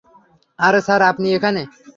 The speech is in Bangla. আরে, স্যার আপনি এখানে?